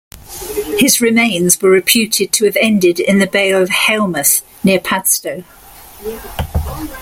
His remains were reputed to have ended in the bay of Hailemouth near Padstow.